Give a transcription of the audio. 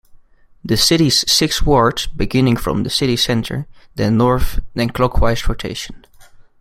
The city's six wards beginning from the city centre, then north, then clockwise rotation.